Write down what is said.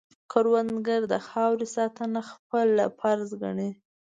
کروندګر د خاورې ساتنه خپله فرض ګڼي